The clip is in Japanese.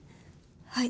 はい。